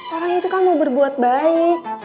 orang itu kan mau berbuat baik